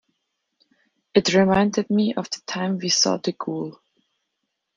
It reminded me of the time we saw the ghoul.